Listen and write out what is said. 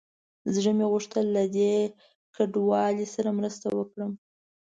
زړه مې وغوښتل له دې کنډوالې سره مرسته وکړم.